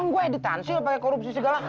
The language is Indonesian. emang gua editansi apa korupsi segala